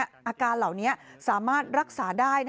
อาการเหล่านี้สามารถรักษาได้